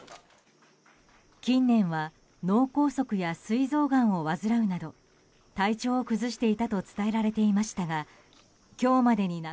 近年は脳梗塞や膵臓がんを患うなど体調を崩していたと伝えられていましたが今日までに。